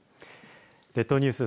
列島ニュース